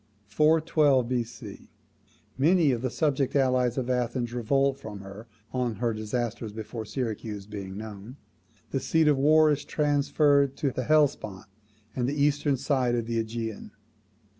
412 B.C. Many of the subject allies of Athens revolt from her, on her disasters before Syracuse being known; the seat of war is transferred to the Hellespont and eastern side of the AEgean.